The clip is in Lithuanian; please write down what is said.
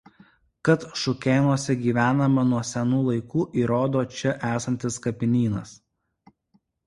Kad Šaukėnuose gyvenama nuo senų laikų įrodo čia esantis kapinynas.